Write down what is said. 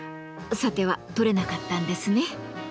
さては撮れなかったんですね。